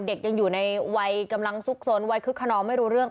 เด็กยังอยู่ในวัยกำลังซุกสนวัยคึกขนองไม่รู้เรื่อง